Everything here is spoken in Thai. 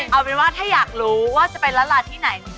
เอาเป็นว่าถ้าอยากรู้ว่าจะเป็นร้านลาที่ไหน